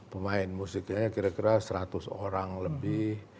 pemain musiknya kira kira seratus orang lebih